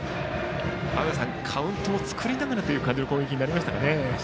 カウントを作りながらの攻撃になりましたね。